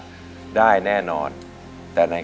เพื่อรับรองเหมือนเดิม